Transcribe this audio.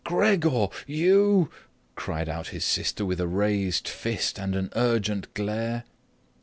"Gregor, you. .." cried out his sister with a raised fist and an urgent glare.